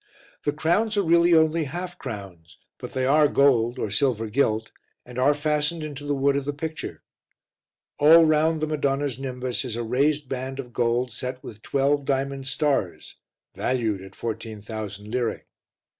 The crowns are really only half crowns, but they are gold or silver gilt, and are fastened into the wood of the picture. All round the Madonna's nimbus is a raised band of gold set with twelve diamond stars, valued at 14,000 lire.